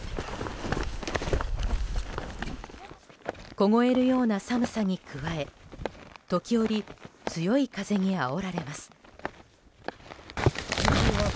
凍えるような寒さに加え時折、強い風にあおられます。